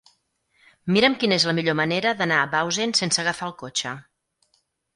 Mira'm quina és la millor manera d'anar a Bausen sense agafar el cotxe.